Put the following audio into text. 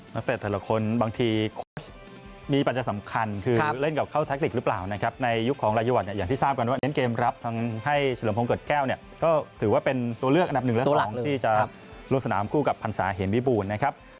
นักเต็มทุกคนบางทีมีปัญญาสำคัญคือเล่นกับเข้าแทคลิกหรือเปล่านะครับในยุคของระยะวัดอย่างที่ทราบกันว่าเน้นเกมรับทั้งให้เฉลิมโพงเกิดแก้วเนี่ยก็ถือว่าเป็นตัวเลือกอันดับ๑และ๒ที่จะโรศนามคู่กับพรรษาเห็นวิบูรณ์นะครับ